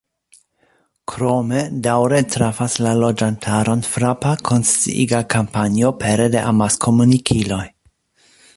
Krome daŭre trafas la loĝantaron frapa, konsciiga kampanjo pere de amaskomunikiloj.